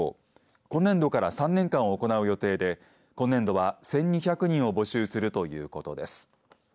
今年度から３年間行う予定で今年度は１２００人を募集するということです。